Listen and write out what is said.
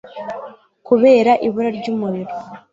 kubera ibura ry umurimo